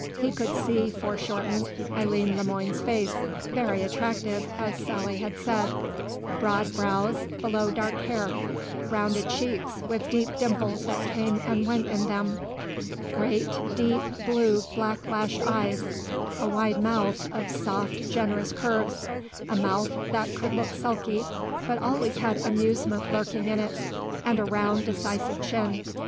He could see, foreshortened, Eileen Le Moine's face very attractive, as Sally had said; broad brows below dark hair, rounded cheeks with deep dimples that came and went in them, great deep blue, black lashed eyes, a wide mouth of soft, generous curves, a mouth that could look sulky but always had amusement lurking in it, and a round, decisive chin.